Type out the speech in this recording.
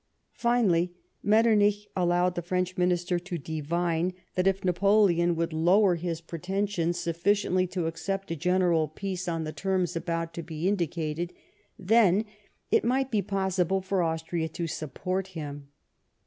Finally Metternich allowed the French Minister to divine that if Napoleon would lower 86 LIFE OF PBINCE METTEBNICE. his pretensions sufficiently to accept a general peace on the terms about to be indicated, then it might be possible for Austria to support him.